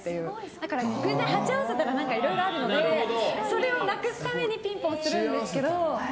だから偶然鉢合わせたらいろいろあるのでそれをなくすためにピンポンするんですけど。